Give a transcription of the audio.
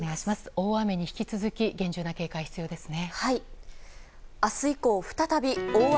大雨に引き続き厳重な警戒が必要ですね。